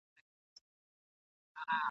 خو ملاتړ یې ځکه کوم چي !.